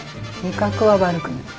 味覚は悪くない。